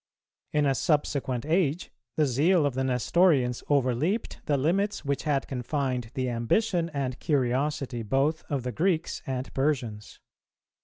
In a subsequent age, the zeal of the Nestorians overleaped the limits which had confined the ambition and curiosity both of the Greeks and Persians.